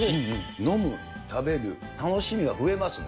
飲む、食べる、楽しみが増えますね。